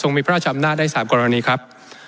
มีพระราชอำนาจได้๓กรณีครับ